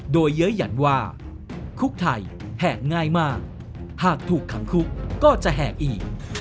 โดยเย้ยหยันว่าคุกไทยแหกง่ายมากหากถูกขังคุกก็จะแหกอีก